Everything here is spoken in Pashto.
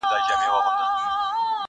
سر دي و خورم که له درده بېګانه سوم.